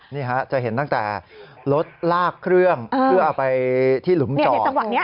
นี่ฮะจะเห็นตั้งแต่รถลากเครื่องเพื่อเอาไปที่หลุมจอด